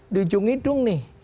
di ujung hidung nih